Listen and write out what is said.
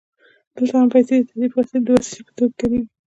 دلته هم پیسې د تادیې د وسیلې په توګه کارېږي